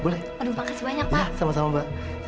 boleh saya minta ya